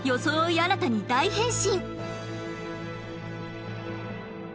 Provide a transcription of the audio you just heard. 新たに大変身！